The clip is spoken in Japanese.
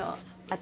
私。